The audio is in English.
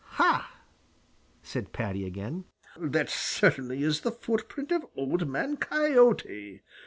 "Ha!" said Paddy again, "that certainly is the footprint of Old Man Coyote!